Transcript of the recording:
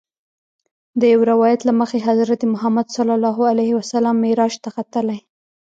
د یوه روایت له مخې حضرت محمد صلی الله علیه وسلم معراج ته ختلی.